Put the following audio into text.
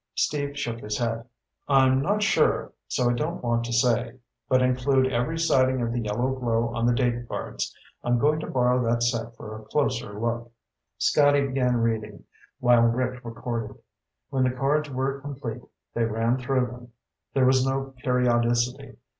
Steve shook his head. "I'm not sure, so I don't want to say. But include every sighting of the yellow glow on the date cards. I'm going to borrow that set for a closer look." Scotty began reading, while Rick recorded. When the cards were complete, they ran through them. There was no periodicity.